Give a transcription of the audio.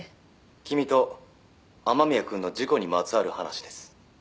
「君と雨宮君の事故にまつわる話です」